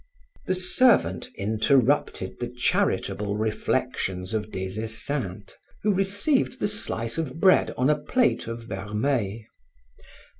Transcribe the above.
The servant interrupted the charitable reflections of Des Esseintes, who received the slice of bread on a plate of vermeil.